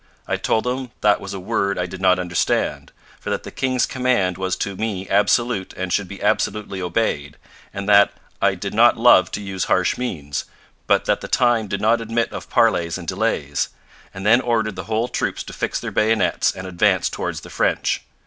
I told them that was a word I did not understand, for that the King's command was to me absolute and should be absolutely obeyed, and that I did not love to use harsh means, but that the time did not admit of parleys or delays; and then ordered the whole troops to fix their bayonets and advance towards the French.